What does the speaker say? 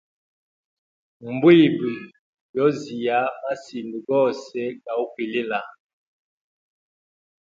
Mbwimbwi yoziya masinda gose ga ukwilila.